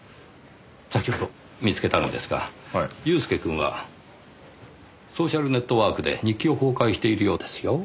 先ほど見つけたのですが祐介くんはソーシャルネットワークで日記を公開しているようですよ。